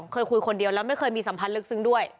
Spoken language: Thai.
เคยคุยคนเดียวแล้วไม่เคยมีสัมพันธ์ลึกซึ้งด้วย